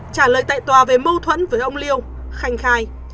trả lời tại tòa về mâu thuẫn với ông liêu khanh khai